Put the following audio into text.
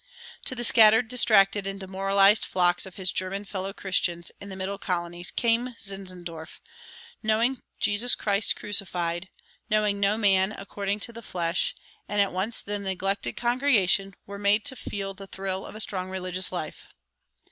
To the scattered, distracted, and demoralized flocks of his German fellow Christians in the middle colonies came Zinzendorf, knowing Jesus Christ crucified, knowing no man according to the flesh; and at once "the neglected congregations were made to feel the thrill of a strong religious life."